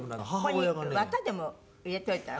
ここに綿でも入れといたら？